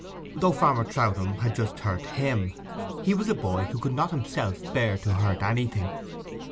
Though Farmer Troutham had just hurt him, he was a boy who could not himself bear to hurt anything.